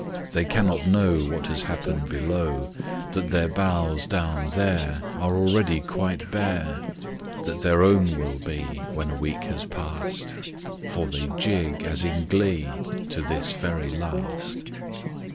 They cannot know What has happened below,— That their boughs down there Are already quite bare, That their own will be When a week has passed,— For they jig as in glee To this very last.